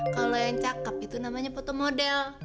kalau yang cakep itu namanya foto model